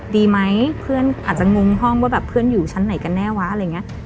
ดีไหมเพื่อนอาจจะงงห้องว่าแบบเพื่อนอยู่ชั้นไหนกันแน่วะอะไรอย่างนี้